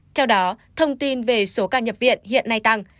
theo đó thông tin về số ca nhập viện hiện nay tăng